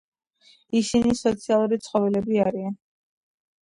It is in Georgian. ისინი სოციალური ცხოველები არიან.